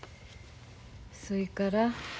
そいから？